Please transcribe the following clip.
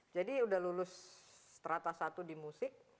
jadi udah lulus teratas satu di musik